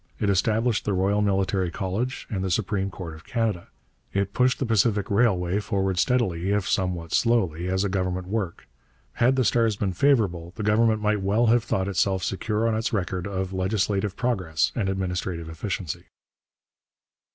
It established the Royal Military College and the Supreme Court of Canada. It pushed the Pacific Railway forward steadily, if somewhat slowly, as a government work. Had the stars been favourable, the Government might well have thought itself secure on its record of legislative progress and administrative efficiency.